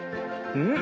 うん。